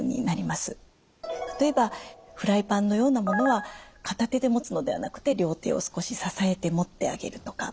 例えばフライパンのようなものは片手で持つのではなくて両手を少し支えて持ってあげるとか。